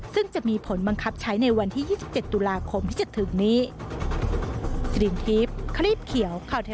ซึ่งจะมีผลบังคับใช้ในวันที่๒๗ตุลาคมที่จะถึงนี้